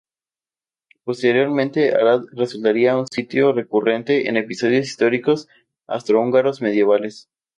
Posteriormente Arad resultaría un sitio recurrente en episodios históricos Austro-húngaros medievales.